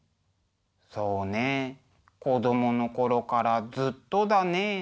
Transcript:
そうね子供の頃からずっとだね。